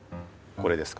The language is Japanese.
これですか？